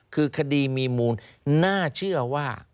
คือคดีมีมูลน่าเชื่อว่า